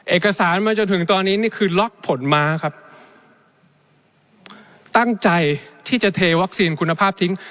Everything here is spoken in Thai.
เอกสารมาจนถึงตอนนี้นี่คือล็อกผลม้าครับตั้งใจที่จะเทวัคซีนคุณภาพทิ้ง